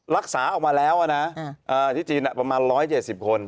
รักษาออกมาแล้วนะที่จีนประมาณ๑๗๐คน